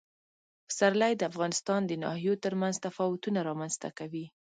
پسرلی د افغانستان د ناحیو ترمنځ تفاوتونه رامنځ ته کوي.